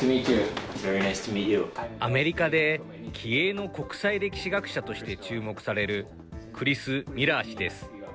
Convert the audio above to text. アメリカで気鋭の国際歴史学者として注目されるクリス・ミラー氏です。